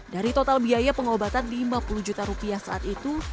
dari total biaya pengobatan lima puluh juta rupiah saat itu